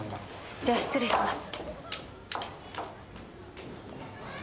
じゃあ失礼します。